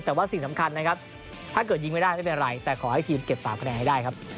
แต่ว่าสิ่งสำคัญนะครับถ้าเกิดยิงไม่ได้ไม่เป็นไรแต่ขอให้ทีมเก็บ๓คะแนนให้ได้ครับ